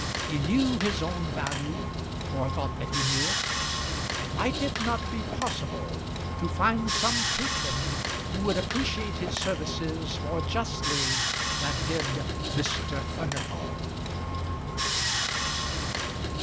He knew his own value, or thought that he knew it; and might it not be possible to find some patron who would appreciate his services more justly than did Mr. Furnival?